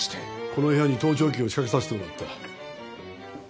この部屋に盗聴器を仕掛けさせてもらった。